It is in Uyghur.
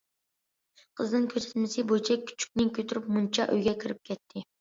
قىزنىڭ كۆرسەتمىسى بويىچە كۈچۈكنى كۆتۈرۈپ مۇنچا ئۆيگە كىرىپ كەتتى.